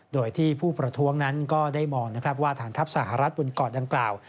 โดยที่ผู้ประท้วงนั้นก็ได้มองนะครับว่าฐานทัพสหรัฐบนเกาะดังกล่าว